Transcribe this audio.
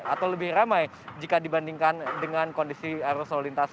atau lebih ramai jika dibandingkan dengan kondisi arus lalu lintas